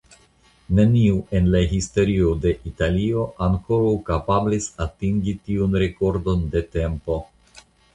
Neniu en la historio de Italio ankoraŭ kapablis atingi tiun rekordon de tempo.